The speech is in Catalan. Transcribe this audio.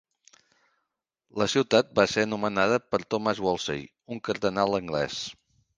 La ciutat va ser nomenada per Thomas Wolsey, un cardenal anglès.